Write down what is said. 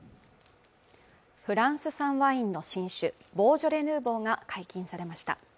フランス産ワインの新酒ボージョレ・ヌーボーが解禁されました